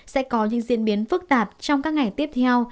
sẽ có những diễn biến phức tạp trong các ngày tiếp theo